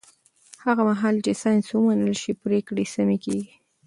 هغه مهال چې ساینس ومنل شي، پرېکړې سمې کېږي.